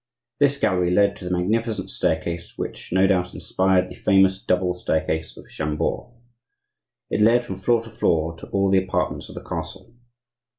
This gallery led to the magnificent staircase which, no doubt, inspired the famous double staircase of Chambord. It led, from floor to floor, to all the apartments of the castle.